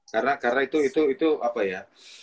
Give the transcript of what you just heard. karena karena itu itu itu apa ya